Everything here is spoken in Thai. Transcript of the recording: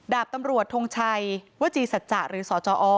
ดาบตำรวจทงชัยวจีสัจจะหรือสจอ